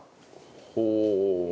ほう。